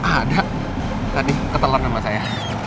ada tadi ketelan sama saya